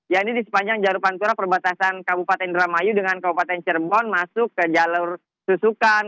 ya ini di sepanjang jalur pantura perbatasan kabupaten indramayu dengan kabupaten cirebon masuk ke jalur susukan